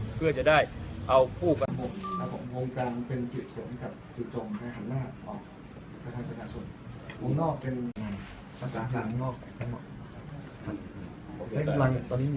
เพื่อจะได้เอาผู้กัน